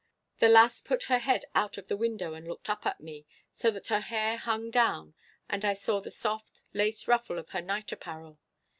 The lass put her head out of the window and looked up at me, so that her hair hung down and I saw the soft lace ruffle of her night apparel.